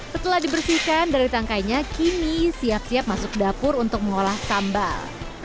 setelah dibersihkan dari tangkainya kini siap siap masuk dapur untuk mengolah sambal